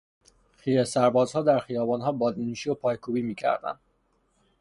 سربازان در خیابانها بادهنوشی و پایکوبی میکردند.